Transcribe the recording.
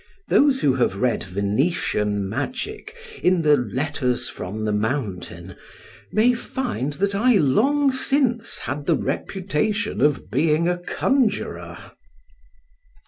Those who have read Venetian magic, in the 'Letters from the Mountain', may find that I long since had the reputation of being a conjurer.